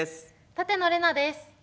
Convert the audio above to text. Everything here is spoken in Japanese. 舘野伶奈です。